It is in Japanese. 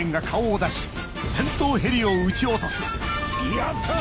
やったぁ！